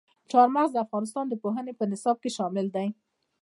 چار مغز د افغانستان د پوهنې په نصاب کې شامل دي.